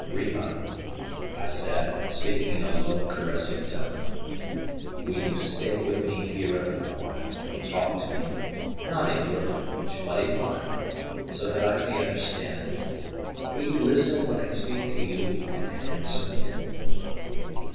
"Rima," I said, speaking in a low, caressing tone, "will you stay with me here a little while and talk to me, not in your language, but in mine, so that I may understand? Will you listen when I speak to you, and answer me?"